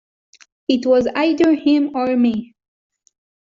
It was either him or me.